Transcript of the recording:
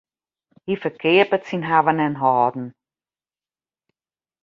Hy ferkeapet syn hawwen en hâlden.